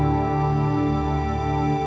jadi juga villain ya